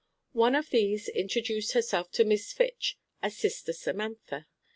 One of these introduced herself to Miss Fitch as Sister Samantha.